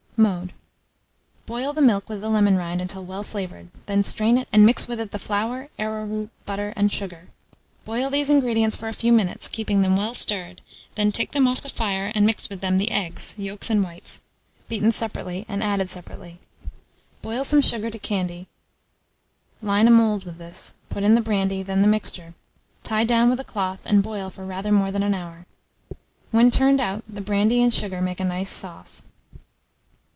Mode. Boil the milk with the lemon rind until well flavoured; then strain it, and mix with it the flour, arrowroot, butter, and sugar. Boil these ingredients for a few minutes, keeping them well stirred; then take them off the fire and mix with them the eggs, yolks and whites, beaten separately and added separately. Boil some sugar to candy; line a mould with this, put in the brandy, then the mixture; tie down with a cloth, and boil for rather more than 1 hour. When turned out, the brandy and sugar make a nice sauce.